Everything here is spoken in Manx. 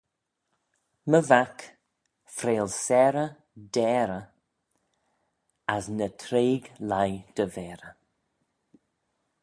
My vac, freill sarey dt'ayrey, as ny treig leigh dty vayrey.